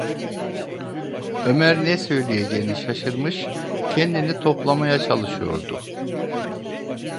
Ömer ne söyleyeceğini şaşırmış, kendini toplamaya çalışıyordu.